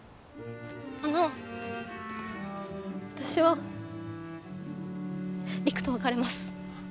あの私は陸と別れます。